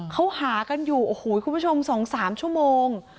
เขาหากันอยู่โอ้โหคุณผู้ชม๒๓ชั่วโมง